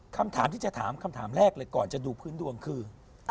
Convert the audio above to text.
คำถามที่จะถามคำถามแรกเลยก่อนจะดูพื้นดวงคือ